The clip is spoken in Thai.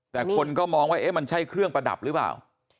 แต่คนก็มองว่ามันใช่เครื่องประดับหรือเปล่า